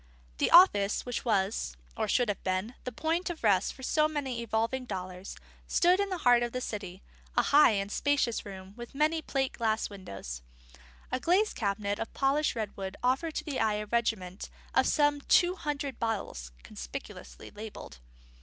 The office which was (or should have been) the point of rest for so many evolving dollars stood in the heart of the city: a high and spacious room, with many plate glass windows. A glazed cabinet of polished redwood offered to the eye a regiment of some two hundred bottles, conspicuously labelled.